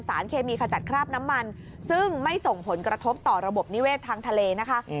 เคมีขจัดคราบน้ำมันซึ่งไม่ส่งผลกระทบต่อระบบนิเวศทางทะเลนะคะ